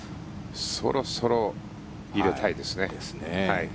そろそろ入れたいですね。